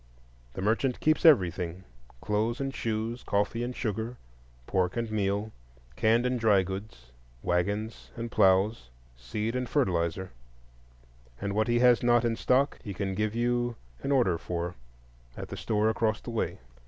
The merchant keeps everything,—clothes and shoes, coffee and sugar, pork and meal, canned and dried goods, wagons and ploughs, seed and fertilizer,—and what he has not in stock he can give you an order for at the store across the way.